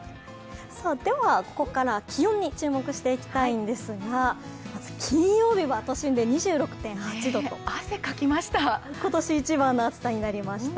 ここからは気温に注目していきたいんですが、金曜日は都心で２６．８度と今年一番の暑さになりました。